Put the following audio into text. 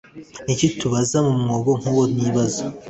Ni iki tubona mu mwobo nkuwo nibaza